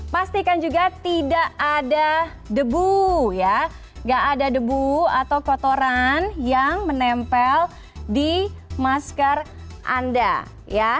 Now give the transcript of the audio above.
pastikan juga tidak ada debu ya nggak ada debu atau kotoran yang menempel di masker anda ya